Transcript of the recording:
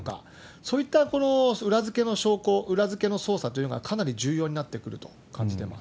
そういった裏付けの証拠、裏付けの捜査というのがかなり重要になってくると感じます。